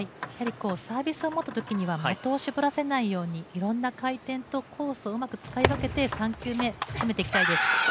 サービスを持ったときには的を絞らせないようにいろんな回転とコースをうまく使い分けて、３球目、攻めていきたいです。